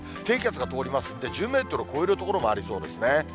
低気圧が通りますんで、１０メートルを超える所もありそうですね。